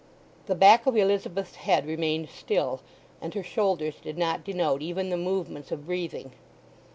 The back of Elizabeth's head remained still, and her shoulders did not denote even the movements of breathing.